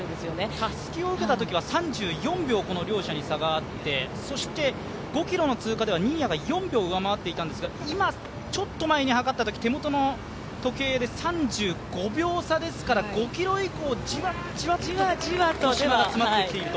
たすきを受けたときは３４秒、この両者に差があって５ｋｍの通過では新谷が４秒上回っていたんですが、ちょっと前にはかったとき、手元の時計で３５秒差ですから５ｋｍ以降、じわじわと後ろが詰まってきていると。